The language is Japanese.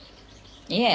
いえ。